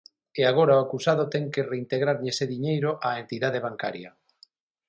E agora o acusado ten que reintegrarlle ese diñeiro á entidade bancaria.